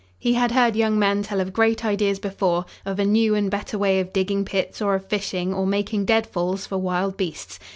He had heard young men tell of great ideas before, of a new and better way of digging pits, or of fishing, or making deadfalls for wild beasts.